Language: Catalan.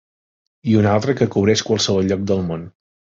I una altra que cobreix qualsevol lloc del món.